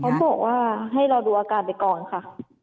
เขาบอกว่าให้เราดูอาการไปก่อนค่ะ